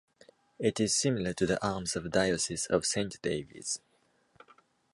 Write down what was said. It is similar to the arms of the Diocese of Saint David's.